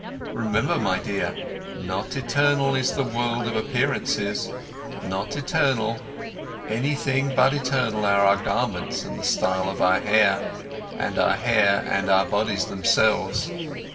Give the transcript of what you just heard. Remember, my dear: Not eternal is the world of appearances, not eternal, anything but eternal are our garments and the style of our hair, and our hair and bodies themselves.